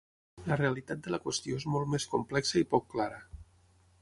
La realitat de la qüestió és molt més complexa i poc clara.